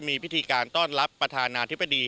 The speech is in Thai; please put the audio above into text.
มีพิธีการต้อนรับประธานาธิบดี